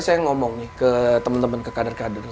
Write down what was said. saya ngomong ke temen temen ke kader kader